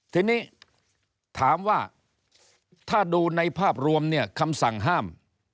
ทีนี้ถามว่าถ้าดูในภาพรวมเนี่ยคำสั่งห้าม